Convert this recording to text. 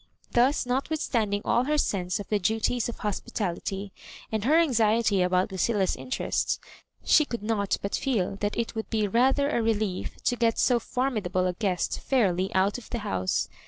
Thus, notwithstanding all her sense of the duties of hospitality, and her anxiety about Lucilla's interests, she could not but feel that it would be rather a relief to get so formidable a guest fairly out of the house.